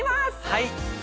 はい。